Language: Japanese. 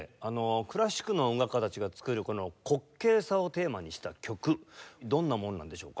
クラシックの音楽家たちが作るこの滑稽さをテーマにした曲どんなものなんでしょうか？